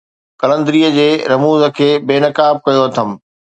قلندريءَ جي رموز کي بي نقاب ڪيو اٿم